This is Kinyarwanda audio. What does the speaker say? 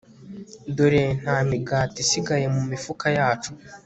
dore nta migati isigaye mu mifuka yacu